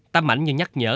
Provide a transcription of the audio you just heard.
tâm ảnh như nhắc nhở